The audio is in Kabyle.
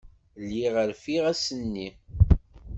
Lliɣ rfiɣ ass-nni.